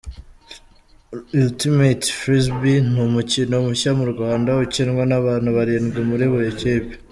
Ultimate Frisbee ni umukino mushya mu Rwanda, ukinwa n’abantu barindwi muri buri kipe.